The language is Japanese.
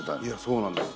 そうなんです。